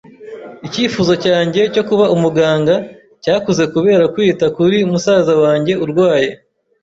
Icyifuzo cyanjye cyo kuba umuganga cyakuze kubera kwita kuri musaza wanjye urwaye.